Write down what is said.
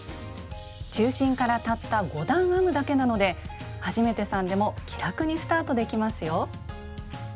中心からたった５段編むだけなので初めてさんでも気楽にスタートできますよ。